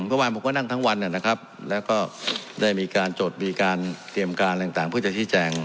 เมื่อวานผมก็นั่งทั้งวันนะครับแล้วก็ได้มีการจดมีการเตรียมการต่างเพื่อจะชี้แจง